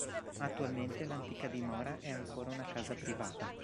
Attualmente l'antica dimora è ancora una casa privata.